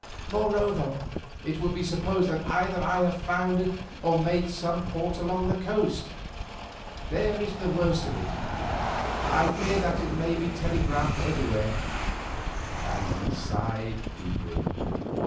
Moreover, it will be supposed either that I have foundered or made some port along the coast. There is the worst of it. I fear that it may be telegraphed everywhere," and he sighed deeply.